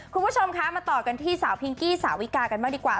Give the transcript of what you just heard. คุณผู้ชมคะมาต่อกันที่สาวพิงกี้สาวิกากันบ้างดีกว่า